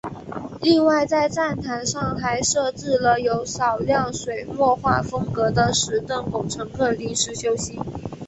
另外在站台上还设置有少量水墨画风格的石凳供乘客临时休息。